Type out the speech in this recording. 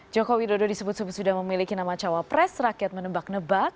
joko widodo disebut sebut sudah memiliki nama cawapres rakyat menebak nebak